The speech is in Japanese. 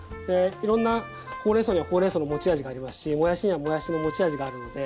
いろんなほうれんそうにはほうれんそうの持ち味がありますしもやしにはもやしの持ち味があるので。